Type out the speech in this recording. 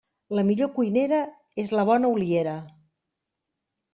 La millor cuinera és la bona oliera.